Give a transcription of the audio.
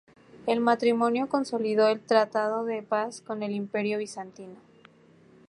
El matrimonio consolidó el tratado de paz con el Imperio bizantino.